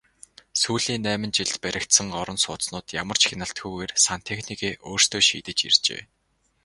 Сүүлийн найман жилд баригдсан орон сууцнууд ямар ч хяналтгүйгээр сантехникээ өөрсдөө шийдэж иржээ.